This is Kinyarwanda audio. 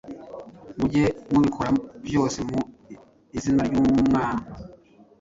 mujye mubikora byose mu izina ry’Umwa